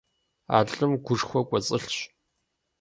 А лӀым гушхуэ кӀуэцӀылъщ.